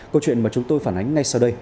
câu chuyện mà chúng tôi phản ánh ngay sau đây